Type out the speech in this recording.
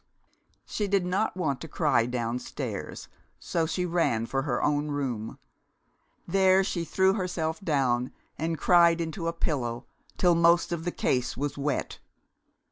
She did not want to cry downstairs, so she ran for her own room. There she threw herself down and cried into a pillow till most of the case was wet.